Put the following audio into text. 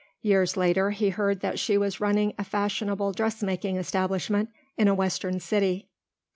Years later he heard that she was running a fashionable dressmaking establishment in a western city.